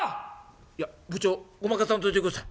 「いや部長ごまかさんといてください。